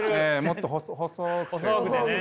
もっと細くてこう。